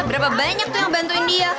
berapa banyak tuh yang bantuin dia